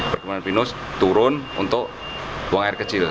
perkembangan pinus turun untuk buang air kecil